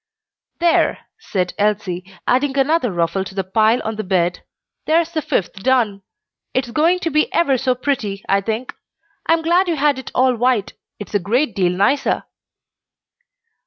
"There," said Elsie, adding another ruffle to the pile on the bed, "there's the fifth done. It's going to be ever so pretty, I think. I'm glad you had it all white; it's a great deal nicer."